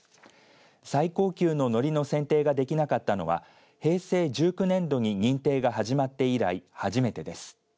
最高級ののりの選定ができなかったのは平成１９年度に認定が始まって以来初めてです。